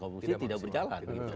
komunisinya tidak berjalan